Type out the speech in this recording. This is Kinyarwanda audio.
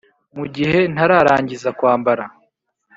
. Mu gihe ntararangiza kwambara,